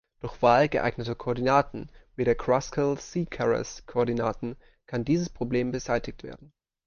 Durch Wahl geeigneter Koordinaten, wie der Kruskal-Szekeres-Koordinaten, kann dieses Problem beseitigt werden.